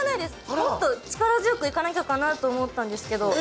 もっと力強く行かなきゃ駄目かと思ったんですけど。